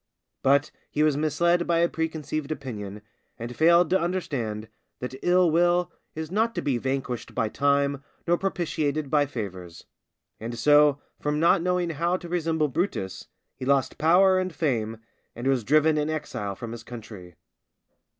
But he was misled by a preconceived opinion, and failed to understand that ill will is not to be vanquished by time nor propitiated by favours. And, so, from not knowing how to resemble Brutus, he lost power, and fame, and was driven an exile from his country.